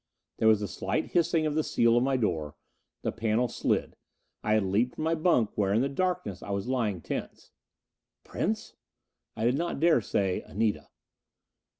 There was the slight hissing of the seal of my door. The panel slid. I had leaped from my bunk where in the darkness I was lying tense. "Prince?" I did not dare say, "Anita."